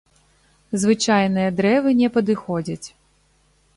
Звычайныя дрэвы не падыходзяць.